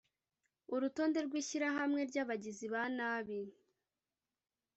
urutonde rw’ishyirahamwe ry’abagizi ba nabi